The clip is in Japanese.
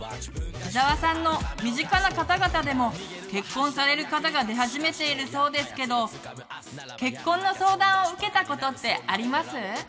伊沢さんの身近な方々でも結婚される方が出始めているそうですけど結婚の相談を受けたことってあります？